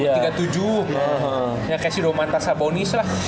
ya kayak si romantar sabonis lah